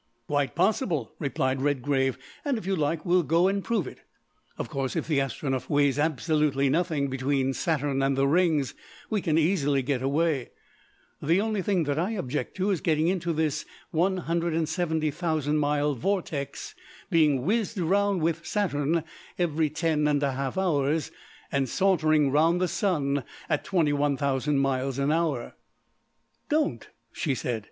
"Quite possible," replied Redgrave, "and, if you like, we'll go and prove it. Of course, if the Astronef weighs absolutely nothing between Saturn and the rings, we can easily get away. The only thing that I object to is getting into this 170,000 mile vortex, being whizzed round with Saturn every ten and a half hours, and sauntering round the Sun at 21,000 miles an hour." "Don't!" she said.